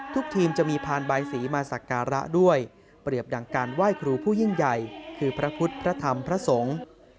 ทีมจะมีพานใบสีมาสักการะด้วยเปรียบดังการไหว้ครูผู้ยิ่งใหญ่คือพระพุทธพระธรรมพระสงฆ์